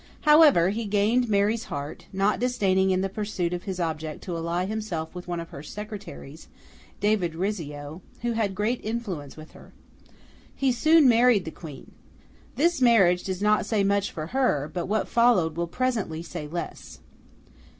However, he gained Mary's heart, not disdaining in the pursuit of his object to ally himself with one of her secretaries, David Rizzio, who had great influence with her. He soon married the Queen. This marriage does not say much for her, but what followed will presently say less.